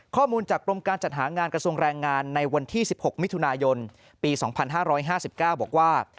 ข้อมูลจากกรมการจัดหางานกระทรวงแรงงานในวันที่สิบหกมิถุนายนปีสองพันห้าร้อยห้าสิบเก้าบอกว่า